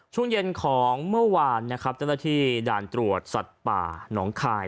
ช่วงเย็นของเมื่อวานนะครับเจ้าหน้าที่ด่านตรวจสัตว์ป่าหนองคาย